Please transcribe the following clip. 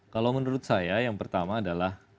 kalau menurut saya yang pertama adalah